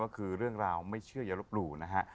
ก็คือเรื่องราวไม่เชื่ออย่าลบหลู่นะฮะ